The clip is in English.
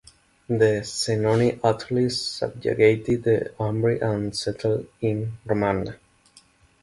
The Senoni utterly subjugated the Umbri and settled in Romagna.